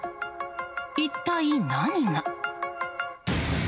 一体何が？